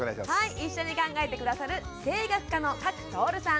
一緒に考えて下さる声楽家の加耒徹さん。